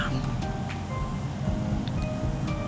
betap punya pertanyaan itu